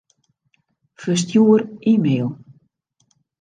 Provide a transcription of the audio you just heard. Ferstjoer e-mail.